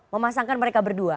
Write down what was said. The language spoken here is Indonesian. memasangkan mereka berdua